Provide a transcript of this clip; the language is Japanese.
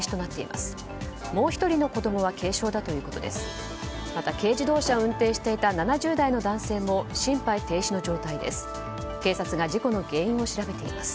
また、軽自動車を運転していた７０代の男性も心肺停止の状態です。